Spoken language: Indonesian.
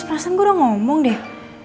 perasaan gue udah ngomong deh